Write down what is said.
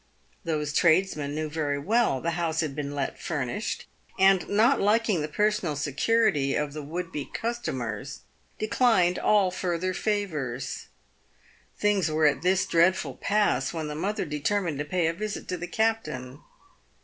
Those tradesmen knew very well the house had been let furnished, and, not liking the personal security of the would be customers, de clined all further favours. Things were at this dreadful pass, when the mother determined to pay a visit to the captain.